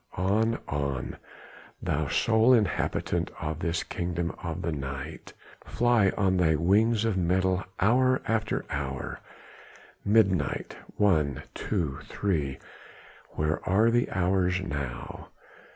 On, on, thou sole inhabitant of this kingdom of the night! fly on thy wings of metal hour after hour midnight one two three where are the hours now?